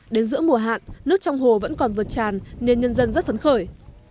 đến giữa mùa hạn nước trong hồ vẫn còn vượt tràn nên nhân dân rất phấn khởi